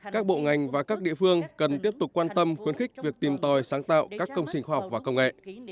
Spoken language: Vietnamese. các bộ ngành và các địa phương cần tiếp tục quan tâm khuyến khích việc tìm tòi sáng tạo các công trình khoa học và công nghệ